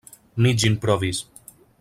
Mi ĝin provis.